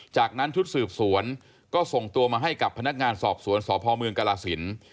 จากนั้นชุดสืบสวนก็ส่งตัวมาให้กับพนักงานสอบสวนสพเมืองกรสิน